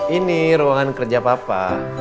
ini ruangan kerja papa